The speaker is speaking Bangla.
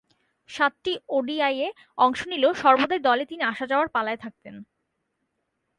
সাতটি ওডিআইয়ে অংশ নিলেও সর্বদাই দলে তিনি আসা-যাওয়ার পালায় থাকতেন।